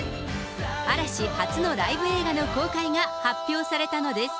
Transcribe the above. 嵐初のライブ映画の公開が発表されたのです。